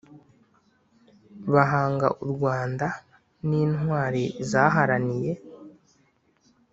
Bahanga u rwanda n’intwari zaharaniye